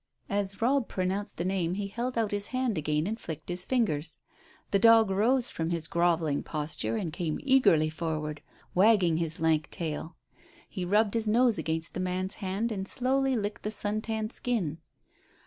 '" As Robb pronounced the name he held out his hand again and flicked his fingers. The dog rose from his grovelling posture and came eagerly forward, wagging his lank tail. He rubbed his nose against the man's hand and slowly licked the sun tanned skin.